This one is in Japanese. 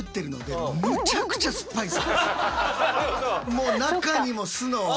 もう中にも酢の味が。